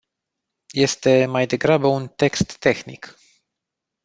Este mai degrabă un text tehnic.